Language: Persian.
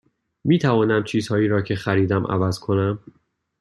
می توانم چیزهایی را که خریدم عوض کنم؟